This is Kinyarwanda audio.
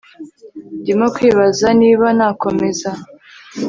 ndimo kwibaza niba nakomeza